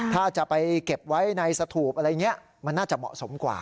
ถ้าจะไปเก็บไว้ในสถูปอะไรอย่างนี้มันน่าจะเหมาะสมกว่า